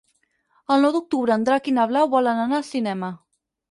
El nou d'octubre en Drac i na Blau volen anar al cinema.